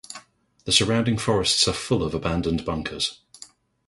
The surrounding forests are full of abandoned bunkers.